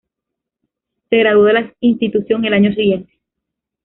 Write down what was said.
Se graduó de la institución el año siguiente.